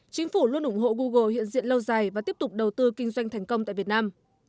chính phủ luôn ủng hộ google hiện diện lâu dài và tiếp tục đầu tư kinh doanh thành công tại việt nam